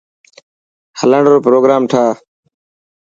هلڻ رو پروگرام ٺاهه.